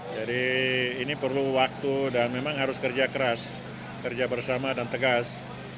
jadi ini perlu waktu dan memang harus kerja keras kerja bersama dan tegas